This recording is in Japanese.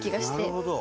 なるほど。